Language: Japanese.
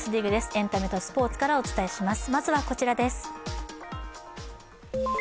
エンタメとスポーツからお伝えします。